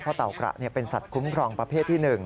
เพราะเต่ากระเป็นสัตว์คุ้มครองประเภทที่๑